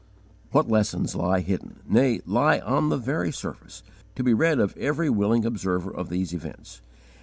What lessons lie hidden nay, lie on the very surface to be read of every willing observer of these events!